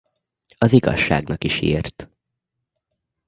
Az Igazságnak is írt.